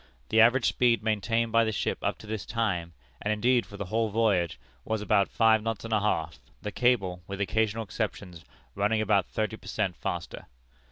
The average speed maintained by the ship up to this time, and, indeed, for the whole voyage, was about five knots and a half, the cable, with occasional exceptions, running about thirty per cent faster.